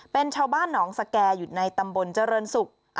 เป็นชาวบ้านหนองสแก่อยู่ในตำบลเจริญศุกร์